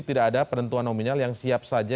tidak ada penentuan nominal yang siap saja